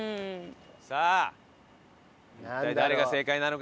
さあ一体誰が正解なのか？